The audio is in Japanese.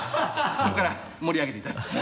ここから盛り上げていただいて。